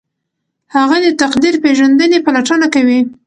هغه د تقدیر پیژندنې پلټنه کوي.